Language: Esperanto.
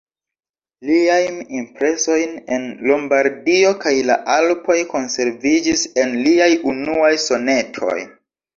Liajm impresojn en Lombardio kaj la Alpoj konserviĝis en liaj unuaj sonetoj.